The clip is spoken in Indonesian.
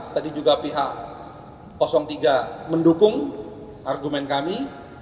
tadi juga pihak tiga mendukung argumen kami